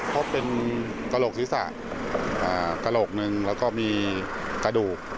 เพราะเป็นกระโหลกศิษย์ศาสตร์อ่ากระโหลกหนึ่งแล้วก็มีกระดูก